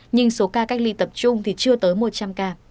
nhưng số ca cách ly tập trung thì chưa tới một trăm linh ca